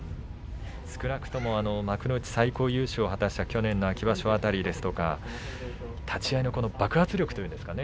少なくとも幕内最高優勝を果たした去年の秋場所の辺りとか立ち合いの爆発力というんですかね。